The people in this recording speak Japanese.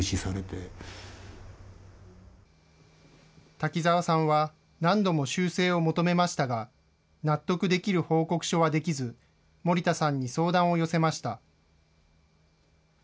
瀧澤さんは、何度も修正を求めましたが、納得できる報告書はできず、森田さんに相談を寄せました。